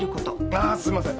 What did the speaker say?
ああすいません。